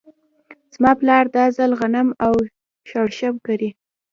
زما پلار دا ځل غنم او شړشم کري.